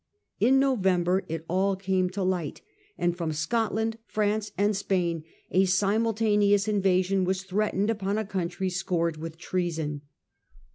In November it all came to light, and from Scotland, France, and Spain, a simultaneous invasion was threatening upon a country scored with treason.